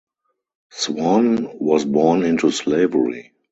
Swann was born into slavery.